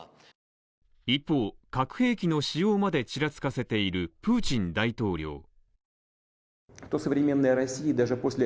一方、核兵器の使用までちらつかせているプーチン大統領。